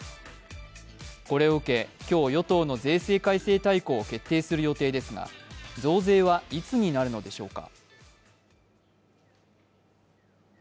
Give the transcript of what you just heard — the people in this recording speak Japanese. これを受け、今日、与党の税制改正大綱を決定する予定ですが、増税はいつになるのでしょうか。